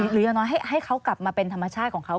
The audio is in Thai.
หรืออย่างน้อยให้เขากลับมาเป็นธรรมชาติของเขา